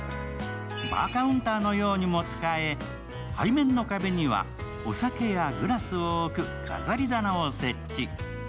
バーカウンターのようにも使え、背面の壁にはお酒やグラスを置く飾り棚を設置。